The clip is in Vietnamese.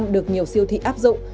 được nhiều siêu thị áp dụng